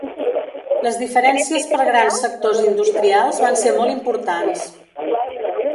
Les diferències per grans sectors industrials van ser molt importants.